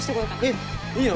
えっ？いいの？